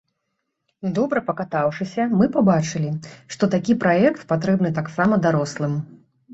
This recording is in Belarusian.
Добра пакатаўшыся, мы пабачылі, што такі праект патрэбны таксама дарослым.